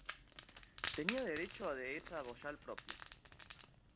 Tenía derecho a dehesa boyal propia.